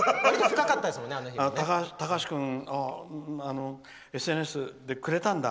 高橋君、ＳＭＳでくれたんだ